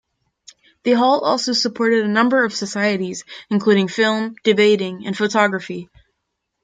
The hall also supported a number of societies including film, debating and photography.